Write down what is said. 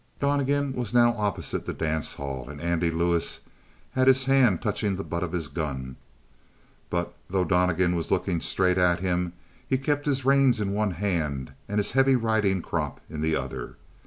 Donnegan was now opposite the dance hall, and Andy Lewis had his hand touching the butt of his gun, but though Donnegan was looking straight at him, he kept his reins in one hand and his heavy riding crop in the other.